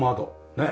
ねえ。